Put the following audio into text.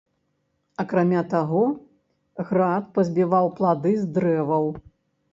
Акрамя таго, град пазбіваў плады з дрэваў.